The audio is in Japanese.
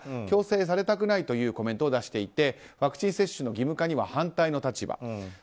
強制されたくないというコメントを出していてワクチン接種の義務化には反対の立場。